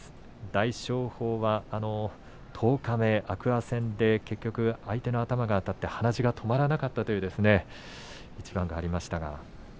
大翔鵬は十日目、天空海戦で相手の頭があたって鼻血が止まらなかったという一番がありました。